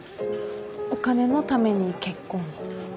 お金のために結婚を？